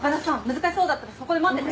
難しそうだったらそこで待ってて！